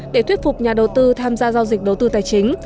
để thuyết phục nhà đầu tư tham gia giao dịch đầu tư tài chính